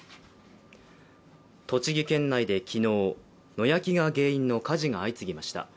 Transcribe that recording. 栃木県内で昨日、野焼きが原因の火事が相次ぎました。